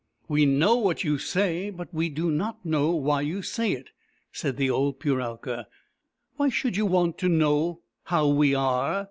" We know what you say, but we do not know why you say it," said the old Puralka. " Why should you want to know how we are